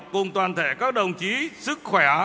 cùng toàn thể các đồng chí sức khỏe